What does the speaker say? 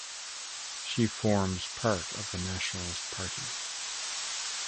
She forms part of the Nationalist Party.